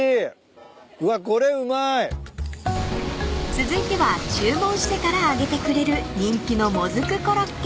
［続いては注文してから揚げてくれる人気のもずくコロッケ］